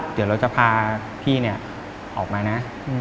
เดี๋ยวเราจะพาพี่ออกมานะ